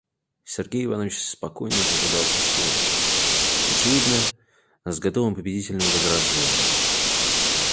Сергей Иванович спокойно дожидался слова, очевидно с готовым победительным возражением.